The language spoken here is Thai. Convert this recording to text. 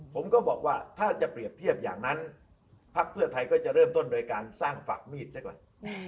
ผมก็บอกว่าถ้าจะเปรียบเทียบอย่างนั้นพักเพื่อไทยก็จะเริ่มต้นโดยการสร้างฝักมีดซะก่อน